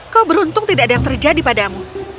kau beruntung tidak ada yang terjadi padamu